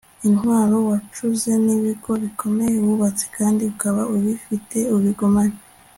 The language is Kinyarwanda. intwaro wacuze n'ibigo bikomeye wubatse kandi ukaba ukibifite, ubigumane